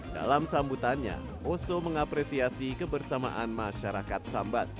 dalam sambutannya oso mengapresiasi kebersamaan masyarakat sambas